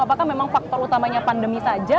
apakah memang faktor utamanya pandemi saja